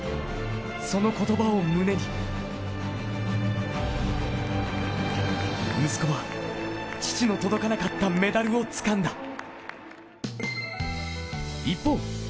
その言葉を胸に息子は、父の届かなかったメダルをつかんだ。